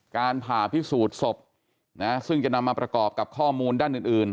การผ่าพิสูจน์ศพซึ่งจะนำมาประกอบกับข้อมูลด้านอื่น